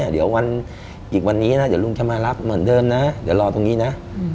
เดี๋ยวอีกวันนี้นะเดี๋ยวลุงจะมารับเหมือนเดิมนะเดี๋ยวรอตรงนี้นะ